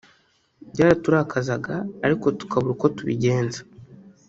Byaraturakazaga ariko tukabura uko tubigenza